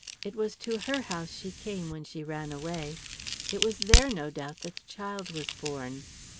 It was to her house she came when she ran away. It was there, no doubt, that the child was born."